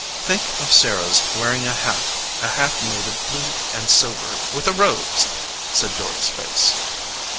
"Think of Sarah s wearing a hat, a hat made of blue and silver, with a rose!" said Dora s face.